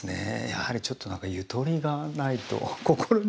やはりちょっとなんかゆとりがないと。